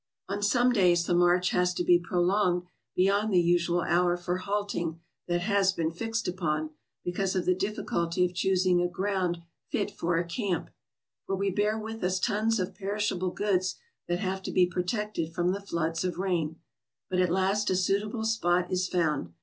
On some days the march has to be prolonged beyond the usual hour for halting that has been fixed upon, because of the difficulty of choosing a ground fit for a camp. For we bear with us tons of perishable goods that have to be protected from the floods of rain. But at last a suitable spot is found.